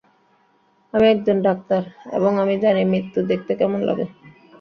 আমি একজন ডাক্তার, এবং আমি জানি মৃত্যু দেখতে কেমন লাগে।